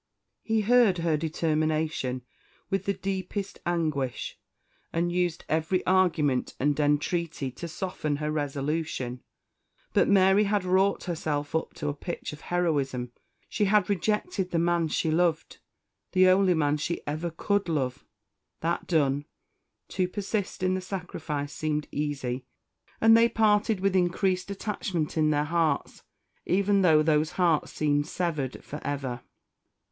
He heard her determination with the deepest anguish, and used every argument and entreaty to soften her resolution; but Mary had wrought herself up to a pitch of heroism she had rejected the man she loved the only man she ever could love: that done, to persist in the sacrifice seemed easy; and they parted with increased attachment in their hearts, even though those hearts seemed severed for ever.